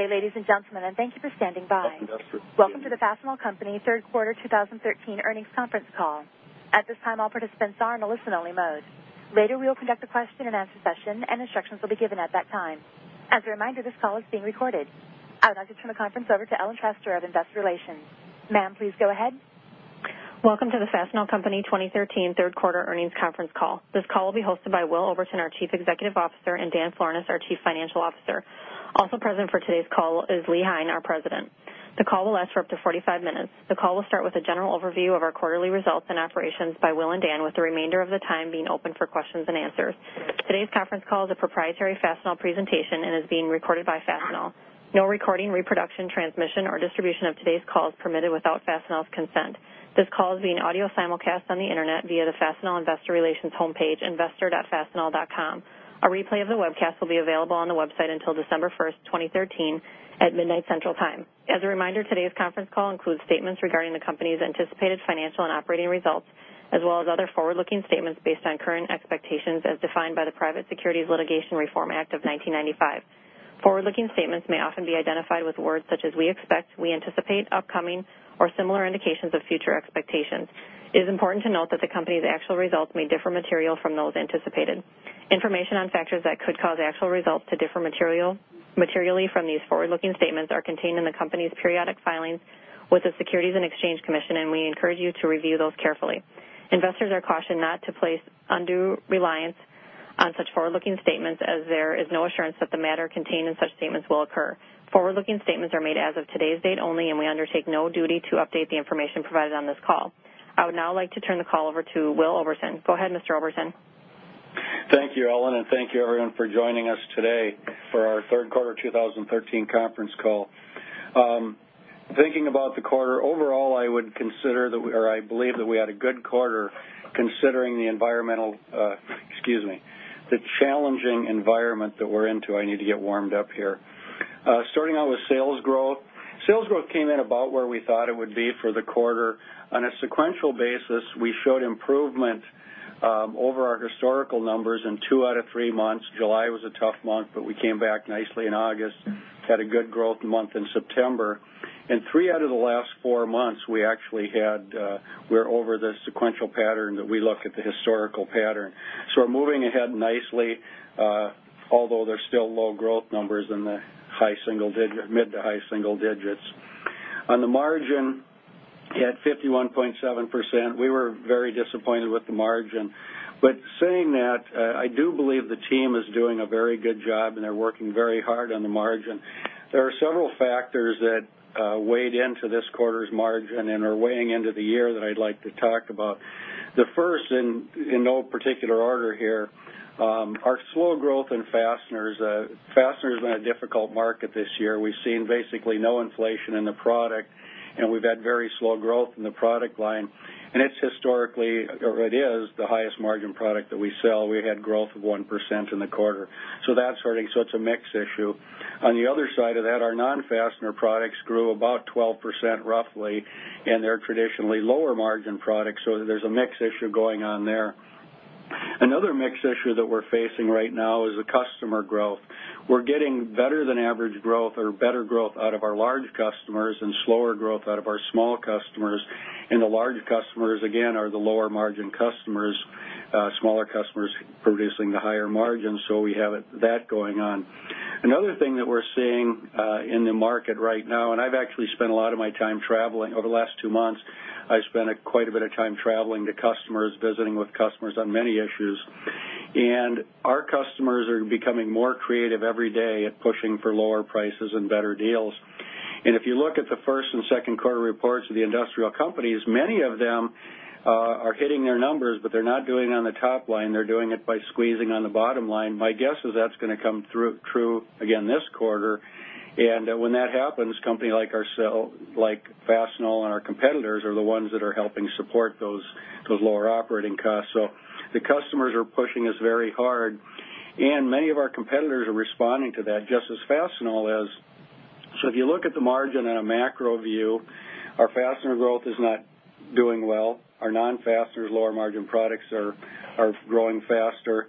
Good day, ladies and gentlemen, and thank you for standing by. Welcome to Fastenal. Welcome to the Fastenal Company third quarter 2013 earnings conference call. At this time, all participants are in a listen-only mode. Later, we will conduct a question-and-answer session, and instructions will be given at that time. As a reminder, this call is being recorded. I would like to turn the conference over to Ellen Trester of Investor Relations. Ma'am, please go ahead. Welcome to the Fastenal Company 2013 third quarter earnings conference call. This call will be hosted by Willard Oberton, our Chief Executive Officer, and Daniel Florness, our Chief Financial Officer. Also present for today's call is Leland Hein, our president. The call will last for up to 45 minutes. The call will start with a general overview of our quarterly results and operations by Will and Dan, with the remainder of the time being open for questions and answers. Today's conference call is a proprietary Fastenal presentation and is being recorded by Fastenal. No recording, reproduction, transmission, or distribution of today's call is permitted without Fastenal's consent. This call is being audio simulcast on the internet via the Fastenal Investor Relations homepage, investor.fastenal.com. A replay of the webcast will be available on the website until December 1st, 2013, at midnight Central Time. As a reminder, today's conference call includes statements regarding the company's anticipated financial and operating results, as well as other forward-looking statements based on current expectations as defined by the Private Securities Litigation Reform Act of 1995. Forward-looking statements may often be identified with words such as "we expect," "we anticipate," "upcoming," or similar indications of future expectations. It is important to note that the company's actual results may differ materially from those anticipated. Information on factors that could cause actual results to differ materially from these forward-looking statements are contained in the company's periodic filings with the Securities and Exchange Commission, and we encourage you to review those carefully. Investors are cautioned not to place undue reliance on such forward-looking statements as there is no assurance that the matter contained in such statements will occur. Forward-looking statements are made as of today's date only. We undertake no duty to update the information provided on this call. I would now like to turn the call over to Willard Oberton. Go ahead, Mr. Oberton. Thank you, Ellen, and thank you, everyone, for joining us today for our third quarter 2013 conference call. Thinking about the quarter, overall, I believe that we had a good quarter considering the challenging environment that we're into. I need to get warmed up here. Starting out with sales growth. Sales growth came in about where we thought it would be for the quarter. On a sequential basis, we showed improvement over our historical numbers in two out of three months. July was a tough month, but we came back nicely in August. Had a good growth month in September. In three out of the last four months, we're over the sequential pattern that we look at the historical pattern. We're moving ahead nicely, although there's still low growth numbers in the mid to high single digits. On the margin, at 51.7%, we were very disappointed with the margin. Saying that, I do believe the team is doing a very good job. They're working very hard on the margin. There are several factors that weighed into this quarter's margin and are weighing into the year that I'd like to talk about. The first, in no particular order here, are slow growth in fasteners. Fasteners are in a difficult market this year. We've seen basically no inflation in the product. We've had very slow growth in the product line. It is the highest margin product that we sell. We had growth of 1% in the quarter. That's hurting. It's a mix issue. On the other side of that, our non-fastener products grew about 12% roughly. They're traditionally lower margin products, there's a mix issue going on there. Another mix issue that we're facing right now is the customer growth. We're getting better than average growth or better growth out of our large customers and slower growth out of our small customers. The large customers, again, are the lower margin customers. Smaller customers producing the higher margin. We have that going on. Another thing that we're seeing in the market right now, I've actually spent a lot of my time traveling. Over the last two months, I've spent quite a bit of time traveling to customers, visiting with customers on many issues, and our customers are becoming more creative every day at pushing for lower prices and better deals. If you look at the first and second quarter reports of the industrial companies, many of them are hitting their numbers, but they're not doing it on the top line. They're doing it by squeezing on the bottom line. My guess is that's going to come true again this quarter. When that happens, companies like Fastenal and our competitors are the ones that are helping support those lower operating costs. The customers are pushing us very hard, and many of our competitors are responding to that just as Fastenal is. If you look at the margin in a macro view, our fastener growth is not doing well. Our non-fastener lower margin products are growing faster.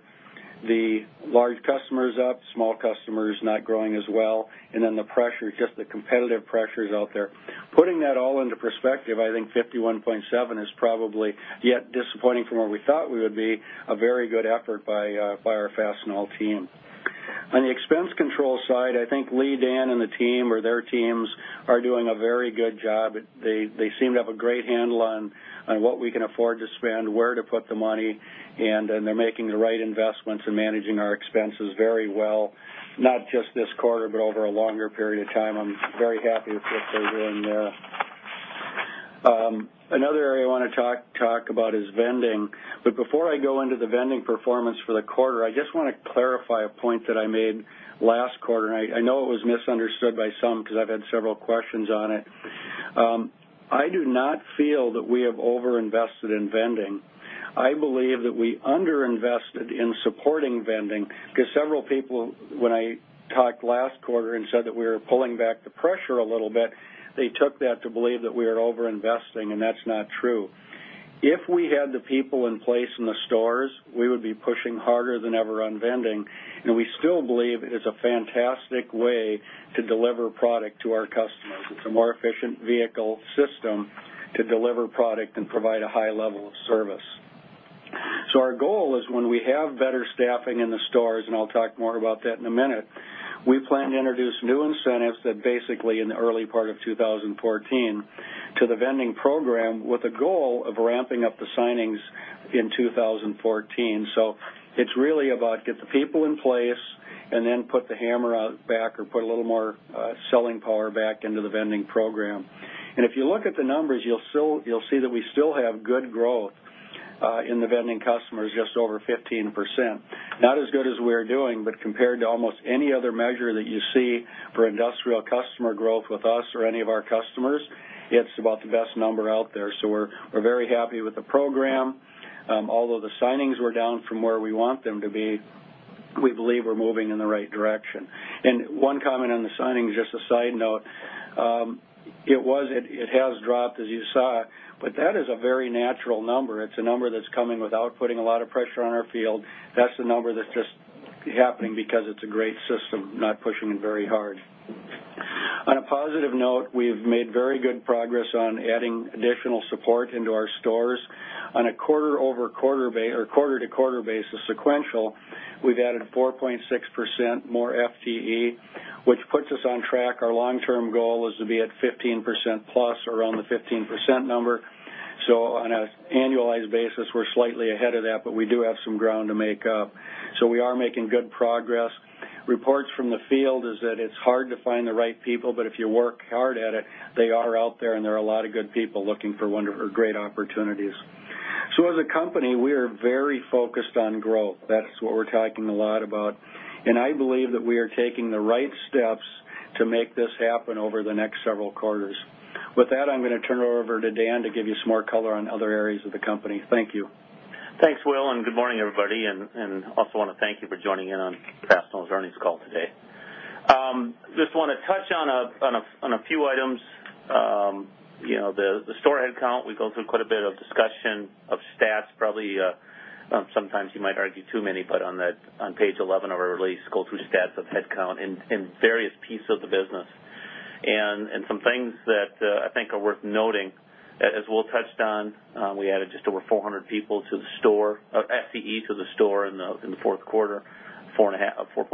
The large customer is up, small customer is not growing as well, and then the pressure, just the competitive pressures out there. Putting that all into perspective, I think 51.7% is probably, yet disappointing from where we thought we would be, a very good effort by our Fastenal team. On the expense control side, I think Lee, Dan, and the team or their teams are doing a very good job. They seem to have a great handle on what we can afford to spend, where to put the money, and they're making the right investments and managing our expenses very well, not just this quarter, but over a longer period of time. I'm very happy with what they're doing there. Another area I want to talk about is vending. Before I go into the vending performance for the quarter, I just want to clarify a point that I made last quarter, and I know it was misunderstood by some because I've had several questions on it. I do not feel that we have over-invested in vending. I believe that we under-invested in supporting vending because several people, when I talked last quarter and said that we were pulling back the pressure a little bit, they took that to believe that we were over-investing, and that's not true. If we had the people in place in the stores, we would be pushing harder than ever on vending, and we still believe it is a fantastic way to deliver product to our customers. It's a more efficient vehicle system to deliver product and provide a high level of service. Our goal is when we have better staffing in the stores, and I'll talk more about that in a minute, we plan to introduce new incentives that basically in the early part of 2014 to the vending program with a goal of ramping up the signings in 2014. It's really about get the people in place and then put the hammer out back or put a little more selling power back into the vending program. If you look at the numbers, you'll see that we still have good growth in the vending customers, just over 15%. Not as good as we're doing, but compared to almost any other measure that you see for industrial customer growth with us or any of our customers, it's about the best number out there. We're very happy with the program. Although the signings were down from where we want them to be, we believe we're moving in the right direction. One comment on the signing, just a side note. It has dropped as you saw, that is a very natural number. It's a number that's coming without putting a lot of pressure on our field. That's the number that's just happening because it's a great system, not pushing very hard. On a positive note, we've made very good progress on adding additional support into our stores. On a quarter-to-quarter basis sequential, we've added 4.6% more FTE, which puts us on track. Our long-term goal is to be at 15% plus or around the 15% number. On an annualized basis, we're slightly ahead of that, we do have some ground to make up. We are making good progress. Reports from the field is that it's hard to find the right people, if you work hard at it, they are out there and there are a lot of good people looking for great opportunities. As a company, we are very focused on growth. That's what we're talking a lot about, I believe that we are taking the right steps to make this happen over the next several quarters. With that, I'm going to turn it over to Dan to give you some more color on other areas of the company. Thank you. Thanks, Will. Good morning, everybody. Also want to thank you for joining in on Fastenal's earnings call today. Just want to touch on a few items. The store headcount, we go through quite a bit of discussion of stats, probably sometimes you might argue too many, on page 11 of our release, go through stats of headcount in various pieces of the business. Some things that I think are worth noting, as Will touched on, we added just over 400 people to the store, or FTE to the store in the fourth quarter, 4.6%.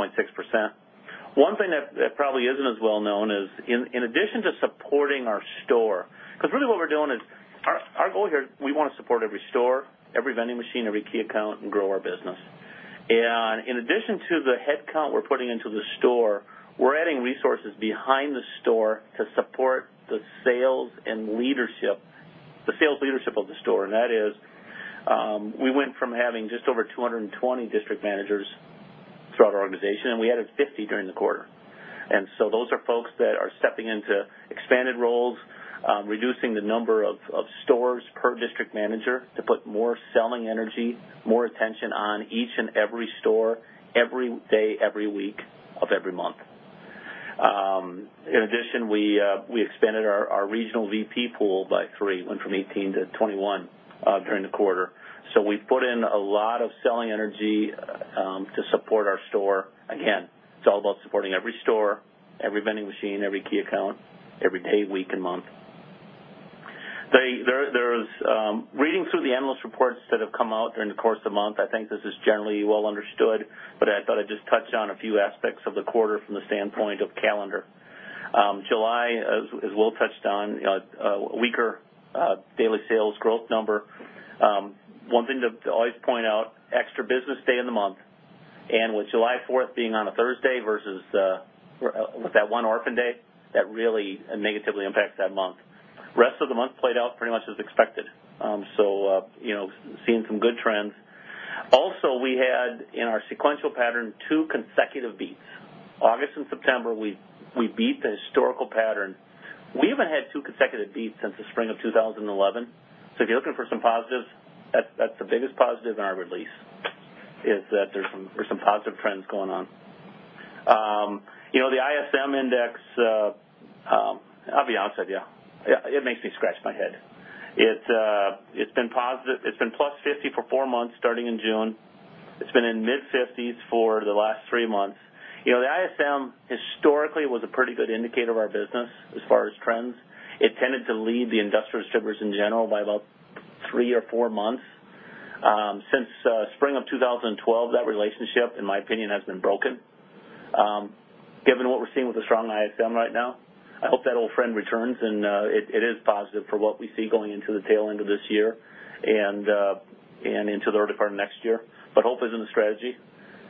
One thing that probably isn't as well known as in addition to supporting our store, because really what we're doing is our goal here, we want to support every store, every vending machine, every key account, grow our business. In addition to the headcount we're putting into the store, we're adding resources behind the store to support the sales leadership of the store. That is, we went from having just over 220 district managers throughout our organization, we added 50 during the quarter. Those are folks that are stepping into expanded roles, reducing the number of stores per district manager to put more selling energy, more attention on each and every store every day, every week of every month. In addition, we expanded our regional VP pool by three, went from 18 to 21 during the quarter. We put in a lot of selling energy to support our store. Again, it's all about supporting every store, every vending machine, every key account, every day, week, and month. Reading through the analyst reports that have come out during the course of the month, I think this is generally well understood, but I thought I'd just touch on a few aspects of the quarter from the standpoint of calendar. July, as Will touched on, a weaker daily sales growth number. One thing to always point out, extra business day in the month, and with July 4th being on a Thursday versus with that one orphan day, that really negatively impacts that month. Rest of the month played out pretty much as expected. Seeing some good trends. Also, we had in our sequential pattern, two consecutive beats. August and September, we beat the historical pattern. We haven't had two consecutive beats since the spring of 2011. If you're looking for some positives, that's the biggest positive in our release, is that there's some positive trends going on. The ISM Index, I'll be honest with you, it makes me scratch my head. It's been +50 for four months starting in June. It's been in mid-50s for the last three months. The ISM historically was a pretty good indicator of our business as far as trends. It tended to lead the industrial distributors in general by about three or four months. Since spring of 2012, that relationship, in my opinion, has been broken. Given what we're seeing with a strong ISM right now, I hope that old friend returns. It is positive for what we see going into the tail end of this year and into the early part of next year. Hope isn't a strategy.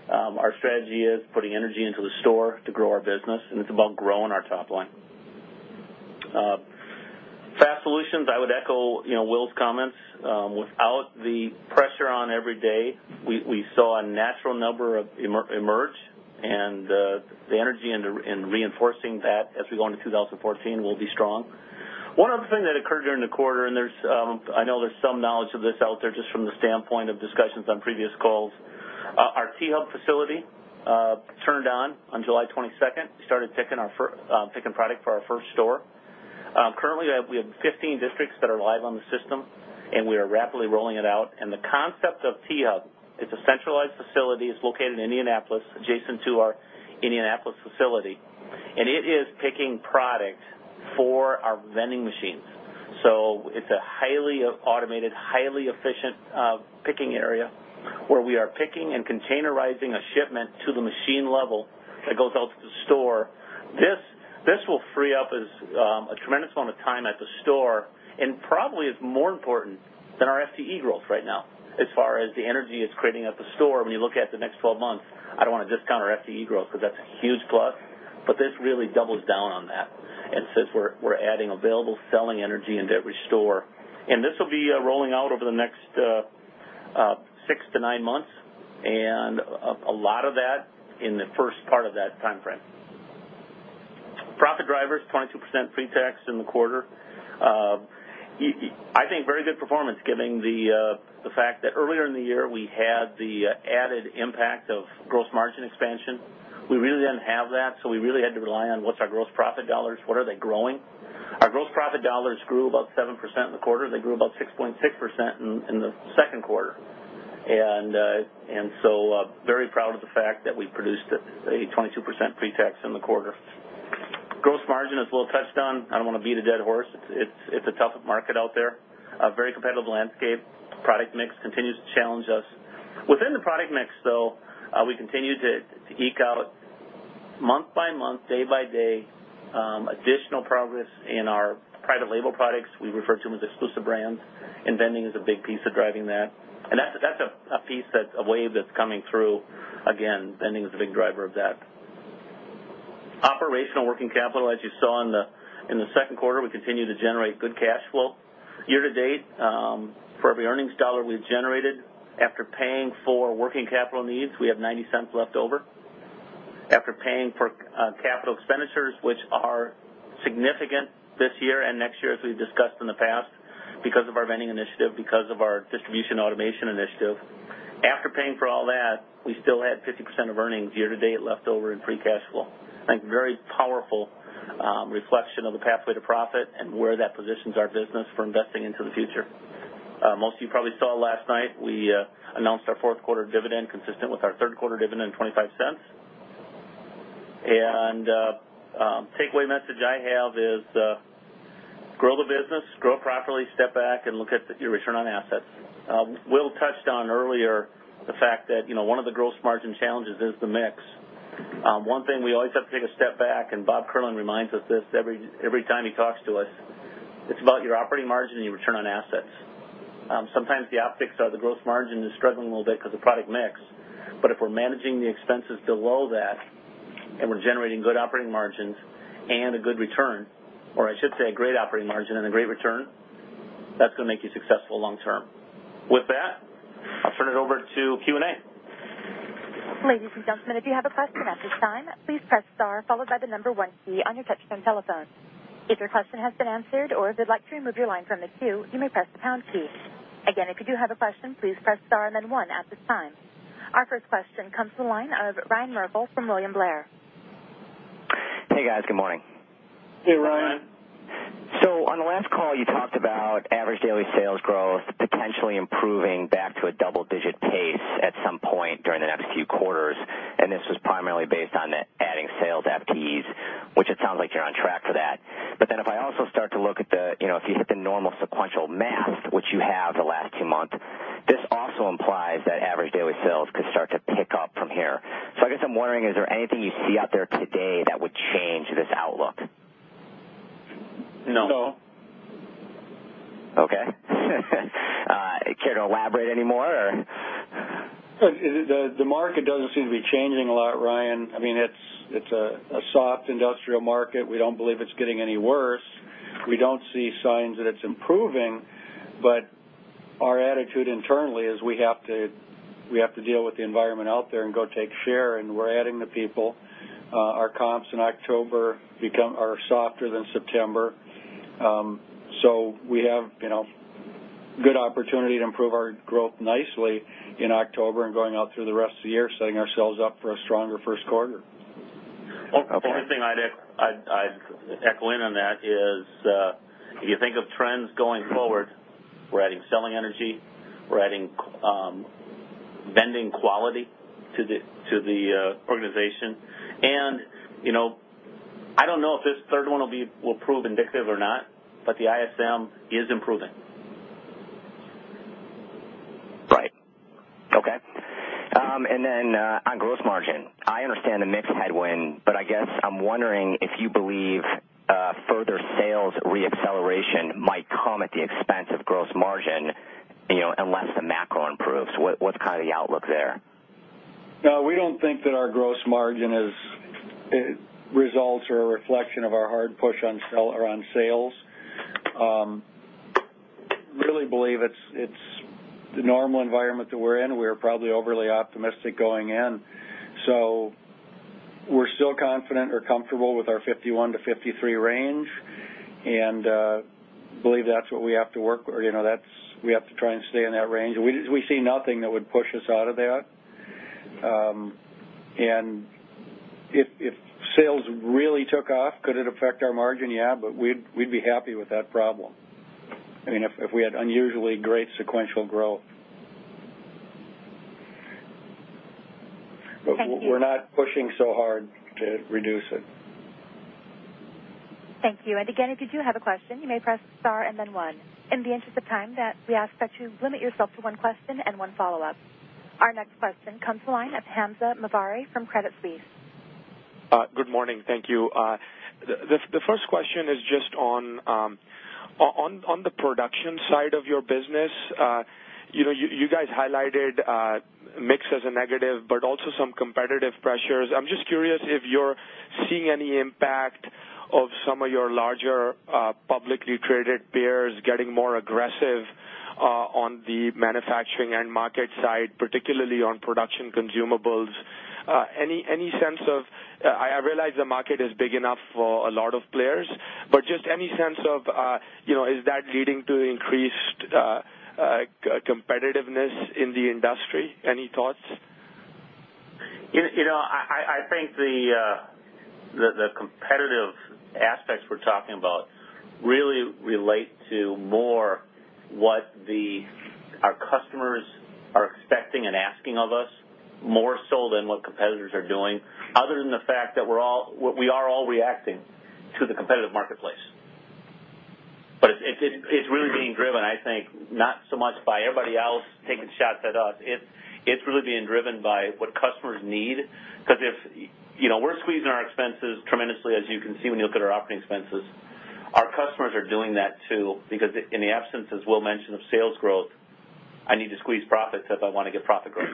Our strategy is putting energy into the store to grow our business, and it's about growing our top line. FAST Solutions, I would echo Will's comments. Without the pressure on every day, we saw a natural number emerge. The energy in reinforcing that as we go into 2014 will be strong. One other thing that occurred during the quarter, and I know there's some knowledge of this out there just from the standpoint of discussions on previous calls. Our T-Hub facility turned on July 22nd. We started picking product for our first store. Currently, we have 15 districts that are live on the system. We are rapidly rolling it out. The concept of T-Hub, it's a centralized facility. It's located in Indianapolis, adjacent to our Indianapolis facility, and it is picking product for our vending machines. It's a highly automated, highly efficient picking area where we are picking and containerizing a shipment to the machine level that goes out to the store. This will free up a tremendous amount of time at the store and probably is more important than our FTE growth right now as far as the energy it's creating at the store when you look at the next 12 months. I don't want to discount our FTE growth because that's a huge plus. This really doubles down on that and says we're adding available selling energy into every store. This will be rolling out over the next six to nine months, and a lot of that in the first part of that timeframe. Profit drivers, 22% pre-tax in the quarter. I think very good performance given the fact that earlier in the year, we had the added impact of gross margin expansion. We really didn't have that. We really had to rely on what's our gross profit dollars, what are they growing. Our gross profit dollars grew about 7% in the quarter. They grew about 6.6% in the second quarter. Very proud of the fact that we produced a 22% pre-tax in the quarter. Gross margin, as Will touched on, I don't want to beat a dead horse. It's a tough market out there, a very competitive landscape. Product mix continues to challenge us. Within the product mix, though, we continue to eke out month by month, day by day, additional progress in our private label products we refer to as exclusive brands, and vending is a big piece of driving that. That's a piece, that's a wave that's coming through. Again, vending is a big driver of that. Operational working capital, as you saw in the second quarter, we continue to generate good cash flow. Year-to-date, for every earnings dollar we've generated after paying for working capital needs, we have $0.90 left over. After paying for capital expenditures, which are significant this year and next year, as we've discussed in the past, because of our Vending Initiative, because of our Distribution Automation Initiative. After paying for all that, we still had 50% of earnings year-to-date left over in free cash flow. I think very powerful reflection of the pathway to profit and where that positions our business for investing into the future. Most of you probably saw last night, we announced our fourth quarter dividend consistent with our third quarter dividend, $0.25. Takeaway message I have is grow the business, grow properly, step back, and look at your return on assets. Will touched on earlier the fact that one of the gross margin challenges is the mix. One thing we always have to take a step back, Bob Kierlin reminds us this every time he talks to us, it's about your operating margin and your return on assets. Sometimes the optics are the gross margin is struggling a little bit because of product mix, but if we're managing the expenses below that and we're generating good operating margins and a good return, or I should say a great operating margin and a great return, that's going to make you successful long term. With that, I'll turn it over to Q&A. Ladies and gentlemen, if you have a question at this time, please press star followed by the number 1 key on your touchtone telephone. If your question has been answered or if you'd like to remove your line from the queue, you may press the pound key. Again, if you do have a question, please press star and then 1 at this time. Our first question comes from the line of Ryan Merkel from William Blair. Hey, guys. Good morning. Hey, Ryan. On the last call, you talked about average daily sales growth potentially improving back to a double-digit pace at some point during the next few quarters, and this was primarily based on adding sales FTEs, which it sounds like you're on track for that. If I also start to look at the, if you hit the normal sequential math, which you have the last two months, this also implies that average daily sales could start to pick up from here. I guess I'm wondering, is there anything you see out there today that would change this outlook? No. No. Okay. Care to elaborate any more or? The market doesn't seem to be changing a lot, Ryan. It's a soft industrial market. We don't believe it's getting any worse. We don't see signs that it's improving, but our attitude internally is we have to deal with the environment out there and go take share, and we're adding the people. Our comps in October are softer than September. We have good opportunity to improve our growth nicely in October and going out through the rest of the year, setting ourselves up for a stronger first quarter. Okay. The only thing I'd echo in on that is, if you think of trends going forward, we're adding selling energy, we're adding vending quality to the organization, and I don't know if this third one will prove indicative or not, but the ISM is improving. Right. Okay. On gross margin, I understand the mix headwind, but I guess I'm wondering if you believe further sales re-acceleration might come at the expense of gross margin, unless the macro improves. What's kind of the outlook there? No, we don't think that our gross margin results are a reflection of our hard push around sales. Really believe it's the normal environment that we're in. We're probably overly optimistic going in. We're still confident or comfortable with our 51%-53% range, and believe that's what we have to work with. We have to try and stay in that range. We see nothing that would push us out of that. If sales really took off, could it affect our margin? Yeah, but we'd be happy with that problem. If we had unusually great sequential growth. Thank you. We're not pushing so hard to reduce it. Thank you. Again, if you do have a question, you may press star and then one. In the interest of time, we ask that you limit yourself to one question and one follow-up. Our next question comes to the line of Hamzah Mazari from Credit Suisse. Good morning. Thank you. The first question is just on the production side of your business. You guys highlighted mix as a negative, also some competitive pressures. I'm just curious if you're seeing any impact of some of your larger, publicly traded peers getting more aggressive on the manufacturing and market side, particularly on production consumables. I realize the market is big enough for a lot of players, just any sense of, is that leading to increased competitiveness in the industry? Any thoughts? I think the competitive aspects we're talking about really relate to more what our customers are expecting and asking of us, more so than what competitors are doing, other than the fact that we are all reacting to the competitive marketplace. It's really being driven, I think, not so much by everybody else taking shots at us. It's really being driven by what customers need. We're squeezing our expenses tremendously, as you can see when you look at our operating expenses. Our customers are doing that, too. In the absence, as Will mentioned, of sales growth, I need to squeeze expenses if I want to get profit growth.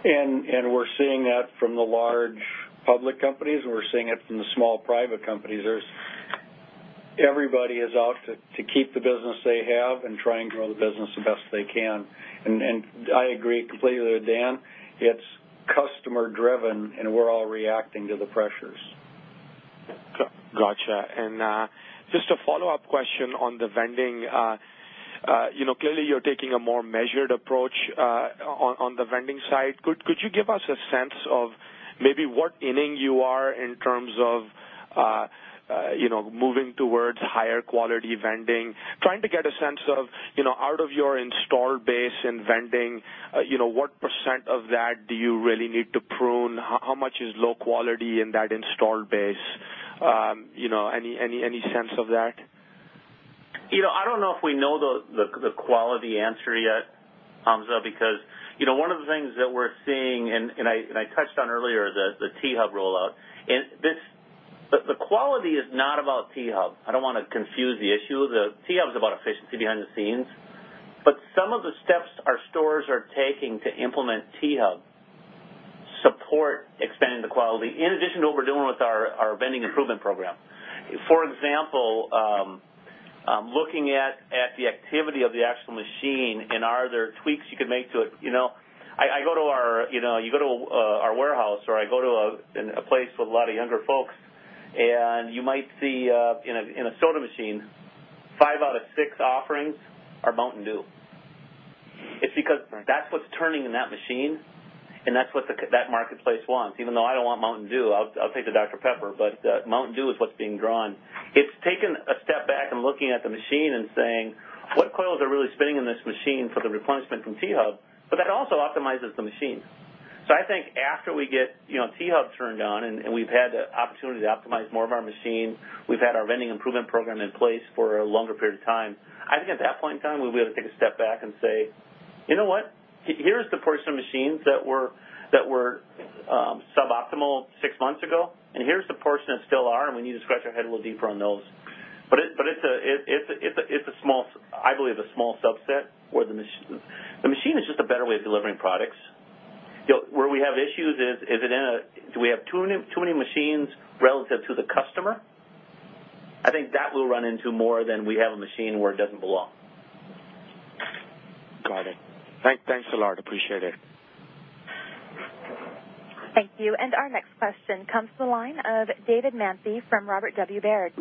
We're seeing that from the large public companies, and we're seeing it from the small private companies. Everybody is out to keep the business they have and try and grow the business the best they can. I agree completely with Dan. It's customer driven, and we're all reacting to the pressures. Got you. Just a follow-up question on the vending. Clearly, you are taking a more measured approach on the vending side. Could you give us a sense of maybe what inning you are in terms of moving towards higher quality vending, trying to get a sense of, out of your installed base in vending, what % of that do you really need to prune? How much is low quality in that installed base? Any sense of that? I do not know if we know the quality answer yet, Hamzah, because one of the things that we are seeing, and I touched on earlier, the T-Hub rollout. The quality is not about T-Hub. I do not want to confuse the issue. The T-Hub is about efficiency behind the scenes. Some of the steps our stores are taking to implement T-Hub support expanding the quality, in addition to what we are doing with our vending improvement program. For example, looking at the activity of the actual machine and are there tweaks you could make to it. You go to our warehouse, or I go to a place with a lot of younger folks, and you might see, in a soda machine, five out of six offerings are Mountain Dew. It is because that is what is turning in that machine, and that is what that marketplace wants. Even though I do not want Mountain Dew, I will take the Dr Pepper, Mountain Dew is what is being drawn. It is taking a step back and looking at the machine and saying, "What coils are really spinning in this machine for the replenishment from T-Hub?" That also optimizes the machine. I think after we get T-Hub turned on, and we have had the opportunity to optimize more of our machines, we have had our vending improvement program in place for a longer period of time, I think at that point in time, we will be able to take a step back and say, "You know what? Here is the portion of machines that were suboptimal 6 months ago, and here is the portion that still are, and we need to scratch our head a little deeper on those." It is, I believe, a small subset. The machine is just a better way of delivering products. Where we have issues is, do we have too many machines relative to the customer? I think that we will run into more than we have a machine where it does not belong. Got it. Thanks a lot. Appreciate it. Thank you. Our next question comes to the line of David Manthey from Robert W. Baird.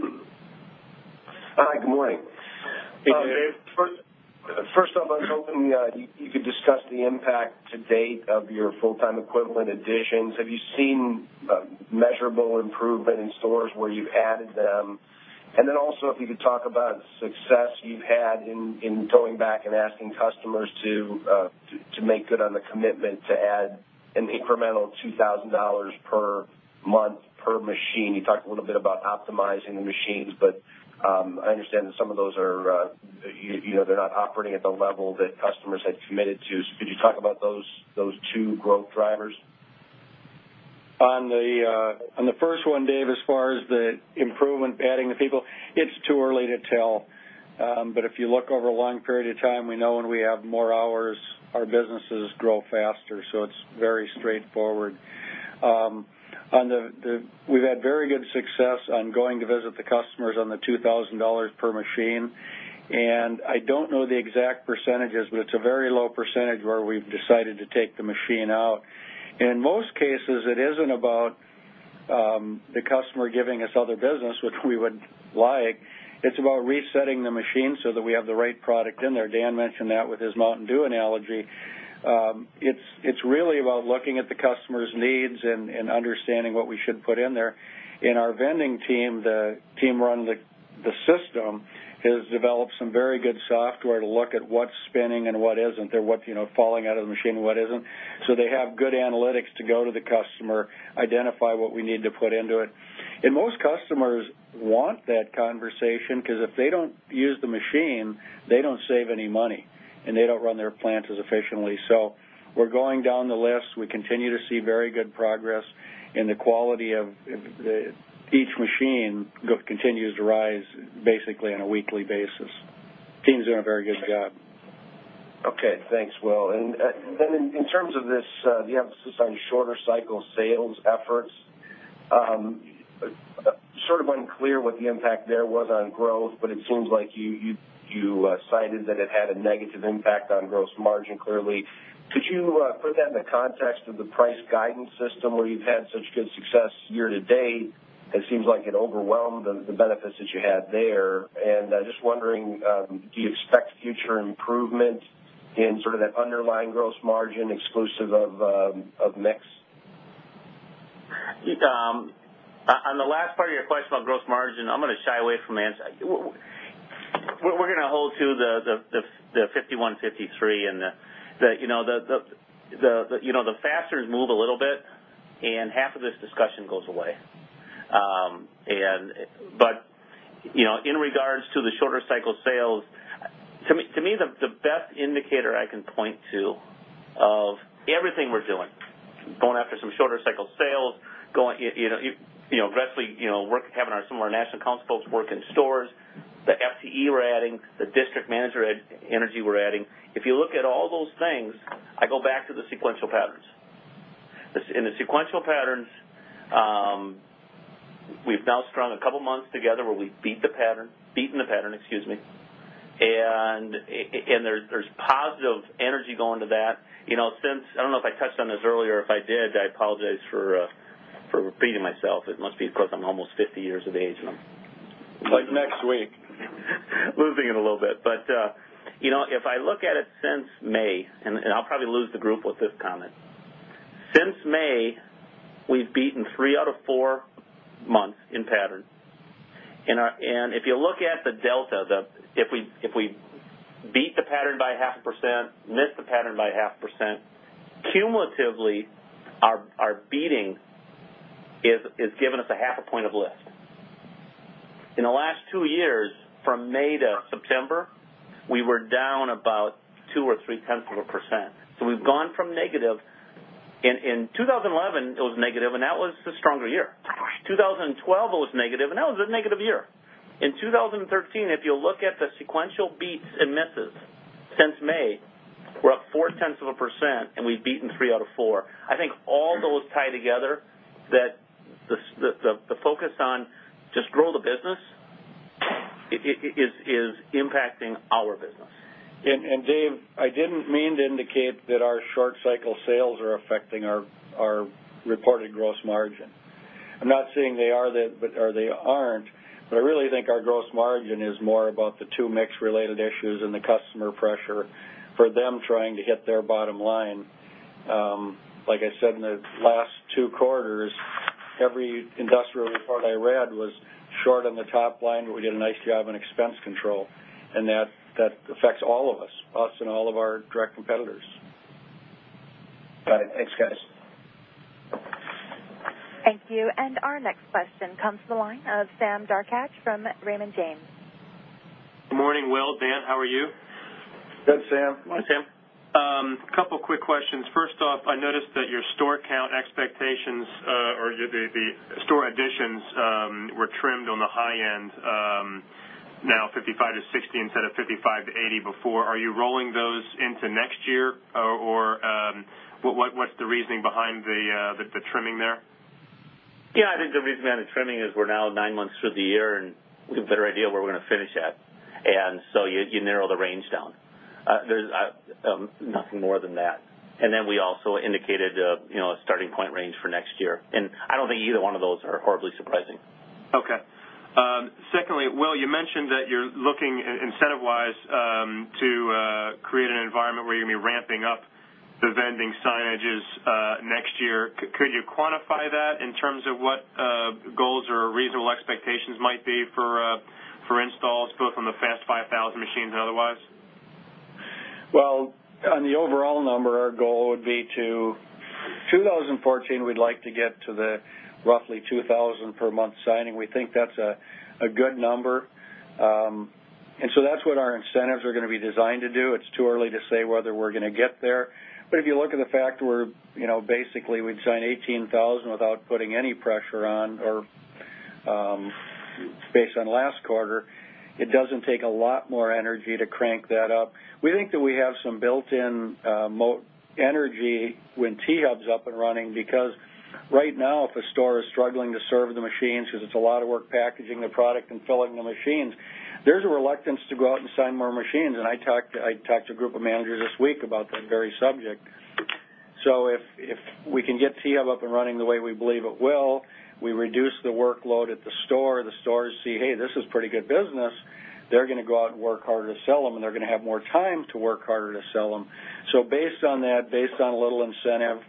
Hi, good morning. Hey, Dave. First off, I was hoping you could discuss the impact to date of your full-time equivalent additions. Have you seen measurable improvement in stores where you've added them? Also, if you could talk about success you've had in going back and asking customers to make good on the commitment to add an incremental $2,000 per month per machine. You talked a little bit about optimizing the machines, but I understand that some of those are not operating at the level that customers had committed to. Could you talk about those two growth drivers? On the first one, Dave, as far as the improvement, adding the people, it's too early to tell. If you look over a long period of time, we know when we have more hours, our businesses grow faster, it's very straightforward. We've had very good success on going to visit the customers on the $2,000 per machine. I don't know the exact percentages, but it's a very low percentage where we've decided to take the machine out. In most cases, it isn't about the customer giving us other business, which we would like. It's about resetting the machine so that we have the right product in there. Dan mentioned that with his Mountain Dew analogy. It's really about looking at the customer's needs and understanding what we should put in there. In our vending team, the team running the system has developed some very good software to look at what's spinning and what isn't, or what's falling out of the machine and what isn't. They have good analytics to go to the customer, identify what we need to put into it. Most customers want that conversation, because if they don't use the machine, they don't save any money, and they don't run their plants as efficiently. We're going down the list. We continue to see very good progress in the quality of each machine, continues to rise basically on a weekly basis. Team's doing a very good job. Okay, thanks, Will. In terms of this, the emphasis on shorter cycle sales efforts, sort of unclear what the impact there was on growth, it seems like you cited that it had a negative impact on gross margin, clearly. Could you put that in the context of the price guidance system where you've had such good success year to date? It seems like it overwhelmed the benefits that you had there. Just wondering, do you expect future improvement in sort of that underlying gross margin exclusive of mix? On the last part of your question about gross margin, I'm going to shy away from answering. We're going to hold to the 51%, 53% and the faster it move a little bit, and half of this discussion goes away. In regards to the shorter cycle sales, to me, the best indicator I can point to of everything we're doing, going after some shorter cycle sales, aggressively having some of our national accounts folks work in stores, the FTE we're adding, the district manager energy we're adding. If you look at all those things, I go back to the sequential patterns. In the sequential patterns, we've now strung a couple of months together where we've beaten the pattern. There's positive energy going to that. I don't know if I touched on this earlier. If I did, I apologize for repeating myself. It must be because I'm almost 50 years of age and I'm Like next week losing it a little bit. If I look at it since May, and I'll probably lose the group with this comment. Since May, we've beaten 3 out of 4 months in pattern. If you look at the delta, if we beat the pattern by 0.5%, miss the pattern by 0.5%, cumulatively, our beating has given us a 0.5 point of lift. In the last two years, from May to September, we were down about 0.2% or 0.3%. We've gone from negative. In 2011, it was negative, and that was the stronger year. 2012, it was negative, and that was a negative year. In 2013, if you look at the sequential beats and misses since May, we're up 0.4% and we've beaten 3 out of 4. I think all those tie together that the focus on just grow the business is impacting our business. Dave, I didn't mean to indicate that our short cycle sales are affecting our reported gross margin. I'm not saying they are or they aren't, I really think our gross margin is more about the two mix related issues and the customer pressure for them trying to hit their bottom line. Like I said, in the last two quarters, every industrial report I read was short on the top line, We did a nice job on expense control, That affects all of us and all of our direct competitors. Got it. Thanks, guys. Thank you. Our next question comes to the line of Sam Darkatsh from Raymond James. Good morning, Will, Dan, how are you? Good, Sam. Hi, Sam. A couple of quick questions. First off, I noticed that your store count expectations or the store additions were trimmed on the high end, now 55 to 60 instead of 55 to 80 before. Are you rolling those into next year, or what's the reasoning behind the trimming there? Yeah, I think the reason behind the trimming is we're now nine months through the year, and we have a better idea of where we're going to finish at. You narrow the range down. There's nothing more than that. We also indicated a starting point range for next year. I don't think either one of those are horribly surprising. Okay. Secondly, Will, you mentioned that you're looking, incentive-wise, to create an environment where you're going to be ramping up the vending signages next year. Could you quantify that in terms of what goals or reasonable expectations might be for installs, both on the FAST 5000 machines and otherwise? Well, on the overall number, our goal would be to, 2014, we'd like to get to the roughly 2,000 per month signing. We think that's a good number. That's what our incentives are going to be designed to do. It's too early to say whether we're going to get there. But if you look at the fact we're basically, we've signed 18,000 without putting any pressure on or Based on last quarter, it doesn't take a lot more energy to crank that up. We think that we have some built-in energy when T-Hub is up and running because right now, if a store is struggling to serve the machines because it's a lot of work packaging the product and filling the machines, there's a reluctance to go out and sign more machines. I talked to a group of managers this week about that very subject. If we can get T-Hub up and running the way we believe it will, we reduce the workload at the store, the stores see, hey, this is pretty good business. They're going to go out and work harder to sell them, and they're going to have more time to work harder to sell them. Based on that, based on a little incentive,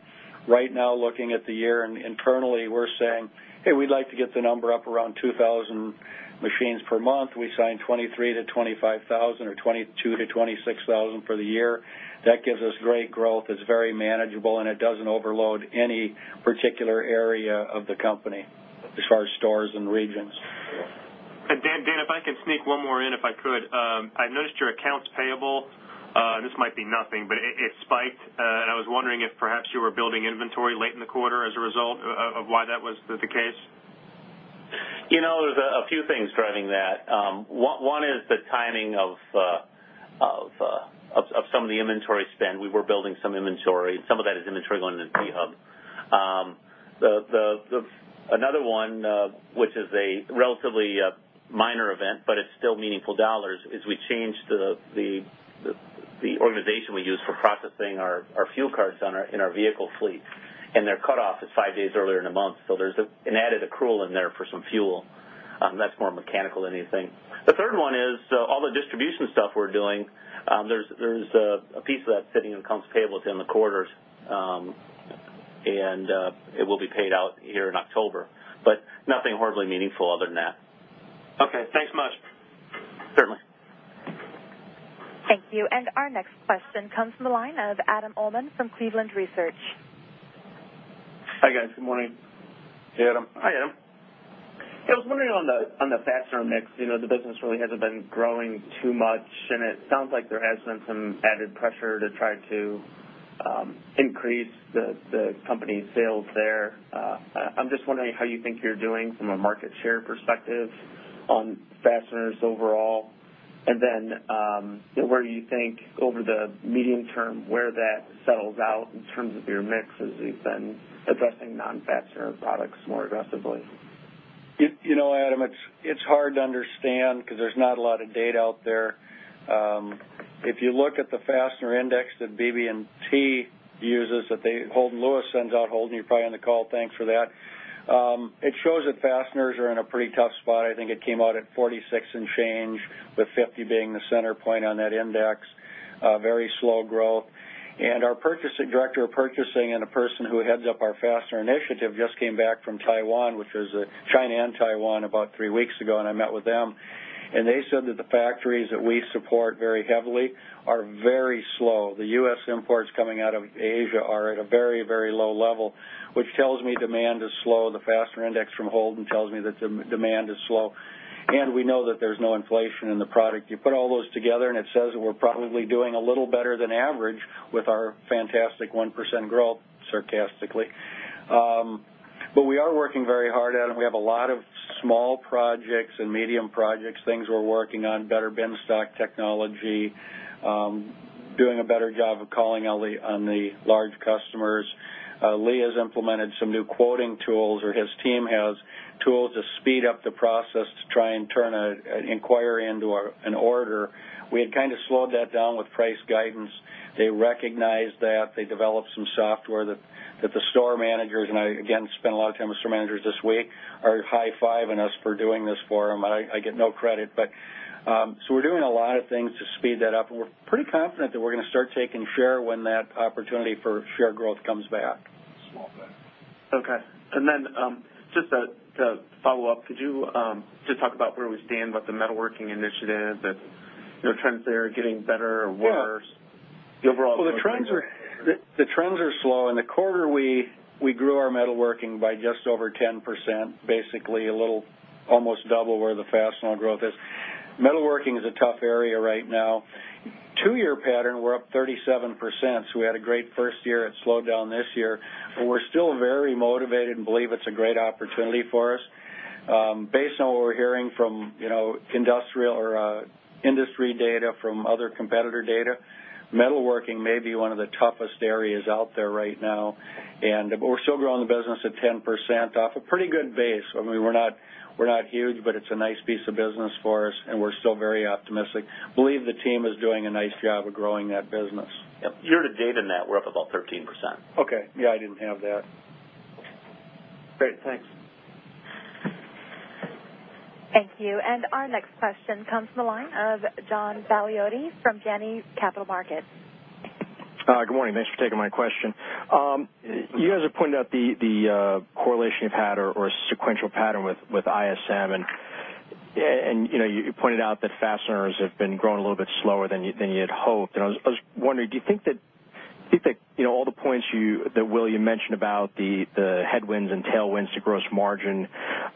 right now, looking at the year internally, we're saying, hey, we'd like to get the number up around 2,000 machines per month. We sign 23,000-25,000 or 22,000-26,000 for the year. That gives us great growth. It's very manageable, and it doesn't overload any particular area of the company as far as stores and regions. Dan, if I could sneak one more in if I could. I noticed your accounts payable, this might be nothing, but it spiked, and I was wondering if perhaps you were building inventory late in the quarter as a result of why that was the case. There's a few things driving that. One is the timing of some of the inventory spend. We were building some inventory, and some of that is inventory going into T-Hub. Another one, which is a relatively minor event, but it's still meaningful dollars, is we changed the organization we use for processing our fuel cards in our vehicle fleet. Their cutoff is five days earlier in the month. There's an added accrual in there for some fuel. That's more mechanical than anything. The third one is all the distribution stuff we're doing. There's a piece of that sitting in accounts payable at the end of quarters, and it will be paid out here in October, but nothing horribly meaningful other than that. Okay, thanks much. Certainly. Thank you. Our next question comes from the line of Adam Uhlman from Cleveland Research. Hi, guys. Good morning. Hey, Adam. Hi, Adam. Yeah, I was wondering on the fastener mix, the business really hasn't been growing too much, and it sounds like there has been some added pressure to try to increase the company's sales there. I'm just wondering how you think you're doing from a market share perspective on fasteners overall, and then, where do you think over the medium term where that settles out in terms of your mix as you've been addressing non-fastener products more aggressively? Adam, it's hard to understand because there's not a lot of data out there. If you look at the Fastener Index that BB&T uses, that Holden Lewis sends out. Holden, you're probably on the call, thanks for that. It shows that fasteners are in a pretty tough spot. I think it came out at 46 and change, with 50 being the center point on that index. Very slow growth. Our director of purchasing and a person who heads up our fastener initiative just came back from Taiwan, which was China and Taiwan about three weeks ago, I met with them, and they said that the factories that we support very heavily are very slow. The U.S. imports coming out of Asia are at a very low level, which tells me demand is slow. The Fastener Index from Holden tells me that demand is slow, we know that there's no inflation in the product. You put all those together, it says that we're probably doing a little better than average with our fantastic 1% growth, sarcastically. We are working very hard at it, we have a lot of small projects and medium projects, things we're working on, better bin stock technology, doing a better job of calling on the large customers. Lee has implemented some new quoting tools, his team has tools to speed up the process to try and turn an inquiry into an order. We had kind of slowed that down with price guidance. They recognized that. They developed some software that the store managers, I again, spent a lot of time with store managers this week, are high-fiving us for doing this for them, I get no credit back. We're doing a lot of things to speed that up, we're pretty confident that we're going to start taking share when that opportunity for share growth comes back. Okay. Just to follow up, could you just talk about where we stand with the metalworking initiative, if trends there are getting better or worse overall? Well, the trends are slow. In the quarter, we grew our metalworking by just over 10%, basically a little, almost double where the fastener growth is. Metalworking is a tough area right now. Two-year pattern, we're up 37%, so we had a great first year. It slowed down this year, but we're still very motivated and believe it's a great opportunity for us. Based on what we're hearing from industry data, from other competitor data, metalworking may be one of the toughest areas out there right now, but we're still growing the business at 10% off a pretty good base. We're not huge, but it's a nice piece of business for us, and we're still very optimistic. Believe the team is doing a nice job of growing that business. Year to date in that, we're up about 13%. Okay. Yeah, I didn't have that. Great. Thanks. Thank you. Our next question comes from the line of John Baliotti from Janney Montgomery Scott. Good morning. Thanks for taking my question. You guys have pointed out the correlation you've had or sequential pattern with ISM, you pointed out that fasteners have been growing a little bit slower than you had hoped. I was wondering, do you think that all the points that Will mentioned about the headwinds and tailwinds to gross margin,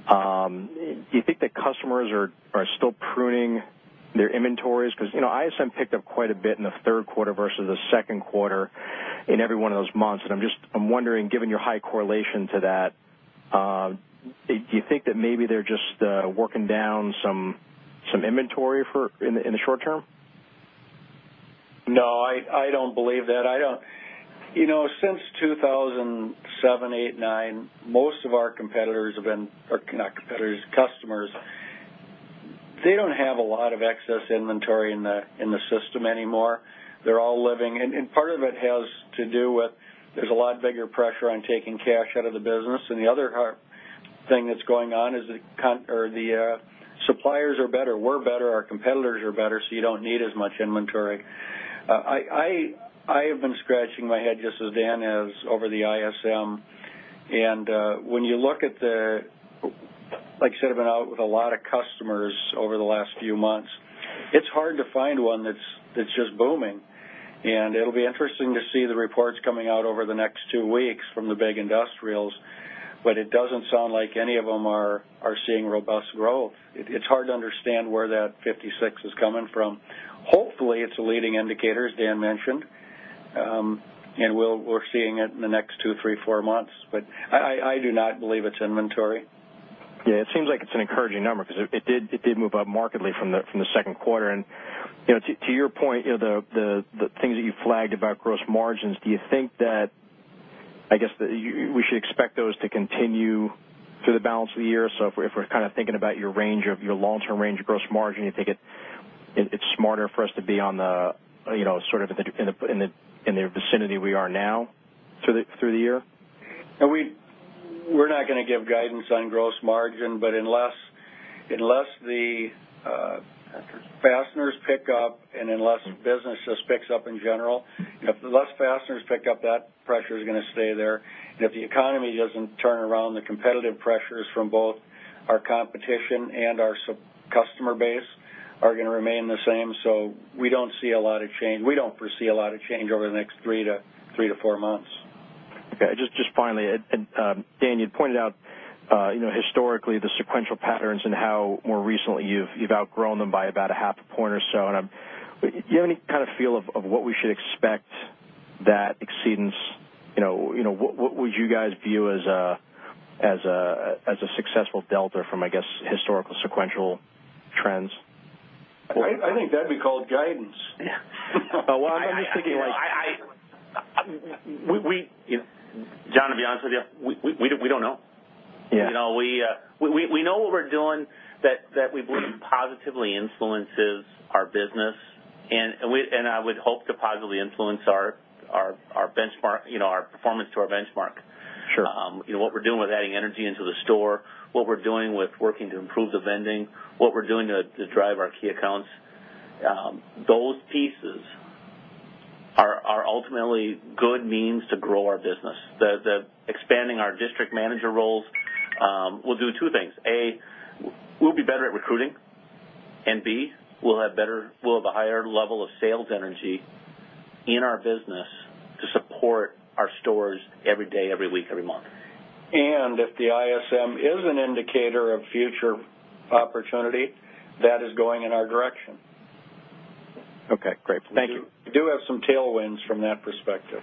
do you think that customers are still pruning their inventories? Because ISM picked up quite a bit in the third quarter versus the second quarter. In every one of those months, I'm wondering, given your high correlation to that, do you think that maybe they're just working down some inventory in the short term? No, I don't believe that. Since 2007, 2008, 2009, most of our customers, they don't have a lot of excess inventory in the system anymore. They're all living, part of it has to do with, there's a lot bigger pressure on taking cash out of the business. The other hard thing that's going on is the suppliers are better, we're better, our competitors are better, so you don't need as much inventory. I have been scratching my head just as Dan has over the ISM. Like I said, I've been out with a lot of customers over the last few months. It's hard to find one that's just booming. It'll be interesting to see the reports coming out over the next two weeks from the big industrials. It doesn't sound like any of them are seeing robust growth. It's hard to understand where that 56 is coming from. Hopefully, it's a leading indicator, as Dan mentioned, we're seeing it in the next two, three, four months. I do not believe it's inventory. It seems like it's an encouraging number because it did move up markedly from the second quarter. To your point, the things that you flagged about gross margins, do you think that we should expect those to continue through the balance of the year? If we're thinking about your long-term range of gross margin, you think it's smarter for us to be in the vicinity we are now through the year? We're not going to give guidance on gross margin, unless the fasteners pick up and unless business just picks up in general, unless fasteners pick up, that pressure is going to stay there. If the economy doesn't turn around, the competitive pressures from both our competition and our customer base are going to remain the same. We don't foresee a lot of change over the next three to four months. Okay. Just finally, Dan, you'd pointed out historically the sequential patterns and how more recently you've outgrown them by about a half a point or so. Do you have any feel of what we should expect that? What would you guys view as a successful delta from, I guess, historical sequential trends? I think that'd be called guidance. Well, I'm just thinking like. John, to be honest with you, we don't know. Yeah. We know what we're doing that we believe positively influences our business, and I would hope to positively influence our performance to our benchmark. Sure. What we're doing with adding energy into the store, what we're doing with working to improve the vending, what we're doing to drive our key accounts. Those pieces are ultimately good means to grow our business. The expanding our district manager roles will do two things. A, we'll be better at recruiting, and B, we'll have a higher level of sales energy in our business to support our stores every day, every week, every month. If the ISM is an indicator of future opportunity, that is going in our direction. Okay, great. Thank you. We do have some tailwinds from that perspective.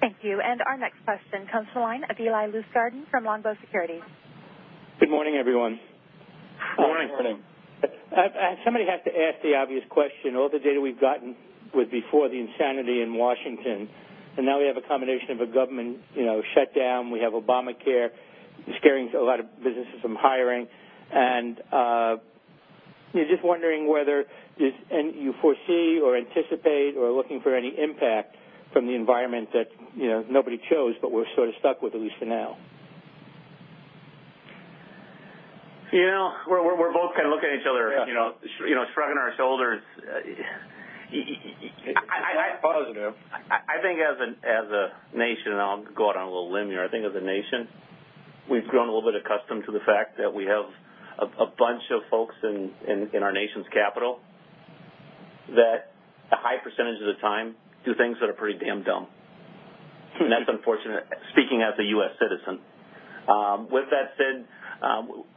Thank you. Our next question comes to the line of Eli Lustgarten from Longbow Research. Good morning, everyone. Good morning. Good morning. Somebody has to ask the obvious question. All the data we've gotten was before the insanity in Washington. Now we have a combination of a government shutdown. We have Obamacare scaring a lot of businesses from hiring, and just wondering whether you foresee or anticipate or are looking for any impact from the environment that nobody chose, but we're sort of stuck with, at least for now? We're both kind of looking at each other- Yeah shrugging our shoulders. It's not positive. I think as a nation, and I'll go out on a little limb here, I think as a nation, we've grown a little bit accustomed to the fact that we have a bunch of folks in our nation's capital that a high percentage of the time do things that are pretty damn dumb. That's unfortunate, speaking as a U.S. citizen. With that said,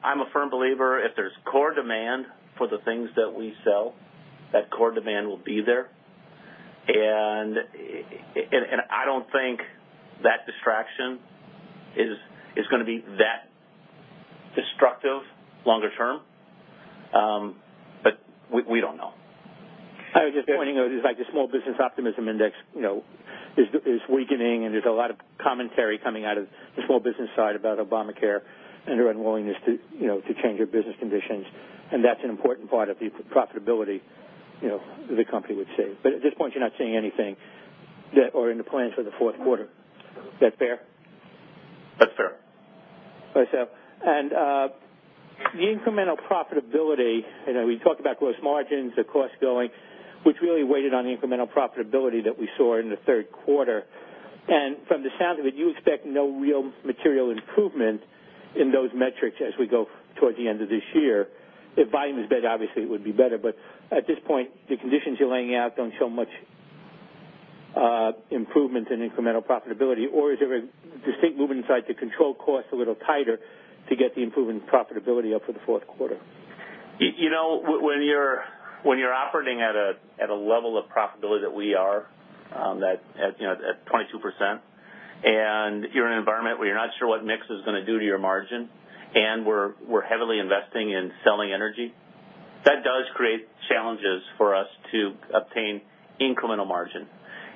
I'm a firm believer if there's core demand for the things that we sell, that core demand will be there. I don't think that distraction is going to be that destructive longer term. We don't know. I was just pointing out, the Small Business Optimism Index is weakening, there's a lot of commentary coming out of the small business side about Obamacare and their unwillingness to change their business conditions, and that's an important part of the profitability the company would say. At this point, you're not seeing anything that are in the plans for the fourth quarter. Is that fair? That's fair. The incremental profitability, we talked about gross margins, the cost going, which really weighted on the incremental profitability that we saw in the third quarter. From the sound of it, do you expect no real material improvement in those metrics as we go toward the end of this year? If volume was better, obviously it would be better. At this point, the conditions you're laying out don't show much improvement in incremental profitability. Is there a distinct movement inside to control costs a little tighter to get the improvement in profitability up for the fourth quarter? When you're operating at a level of profitability that we are, at 22%, you're in an environment where you're not sure what mix is going to do to your margin, we're heavily investing in selling energy, that does create challenges for us to obtain incremental margin.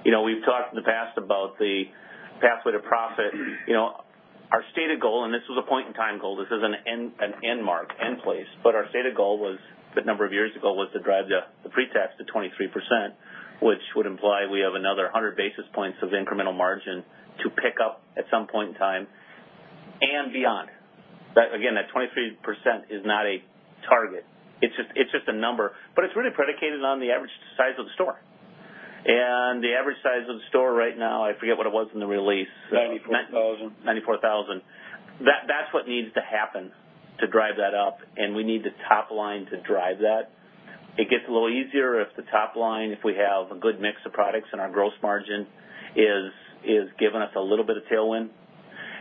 We've talked in the past about the pathway to profit. Our stated goal, and this was a point-in-time goal, this is an end mark, end place. Our stated goal a good number of years ago was to drive the pre-tax to 23%, which would imply we have another 100 basis points of incremental margin to pick up at some point in time and beyond. Again, that 23% is not a target. It's just a number. It's really predicated on the average size of the store. The average size of the store right now, I forget what it was in the release. 94,000. 94,000. That's what needs to happen to drive that up, we need the top line to drive that. It gets a little easier if the top line, if we have a good mix of products and our gross margin is giving us a little bit of tailwind.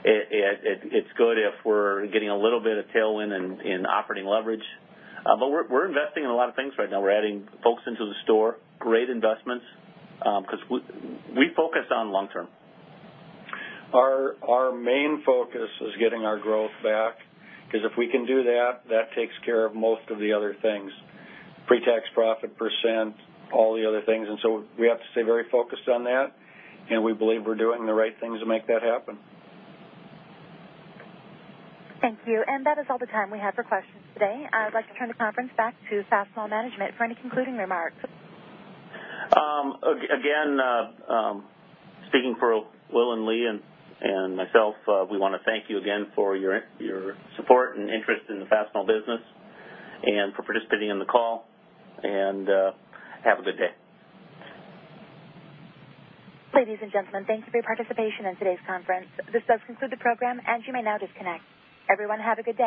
It's good if we're getting a little bit of tailwind in operating leverage. We're investing in a lot of things right now. We're adding folks into the store, great investments, because we focus on long term. Our main focus is getting our growth back, because if we can do that takes care of most of the other things, pre-tax profit %, all the other things. We have to stay very focused on that, and we believe we're doing the right things to make that happen. Thank you. That is all the time we have for questions today. I'd like to turn the conference back to Fastenal management for any concluding remarks. Speaking for Will and Lee and myself, we want to thank you again for your support and interest in the Fastenal business and for participating in the call. Have a good day. Ladies and gentlemen, thanks for your participation in today's conference. This does conclude the program, and you may now disconnect. Everyone, have a good day.